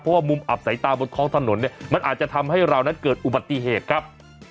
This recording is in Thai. เพราะว่ามุมอับสายตาบนท้องถนนเนี่ยมันอาจจะทำให้เรานั้นเกิดอุบัติเหตุครับ